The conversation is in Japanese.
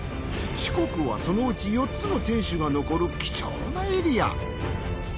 四国はそのうち４つの天守が残る貴重なエリア。